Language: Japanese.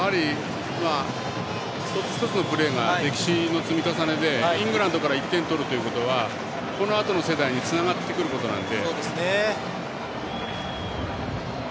一つ一つのプレーが歴史の積み重ねでイングランドから１点を取るということはこのあとの世代につながってくるところなので。